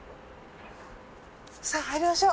さぁ入りましょう。